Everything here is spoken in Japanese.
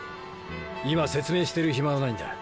今説明してる暇はないんだ。